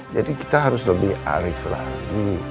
jadi kita harus lebih arif lagi